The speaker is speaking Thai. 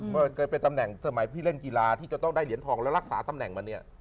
เคยเป็นตำแหน่งสมัยพี่เล่นกีฬาที่จะต้องได้เหรียญทองแล้วรักษาตำแหน่งมาเนี่ย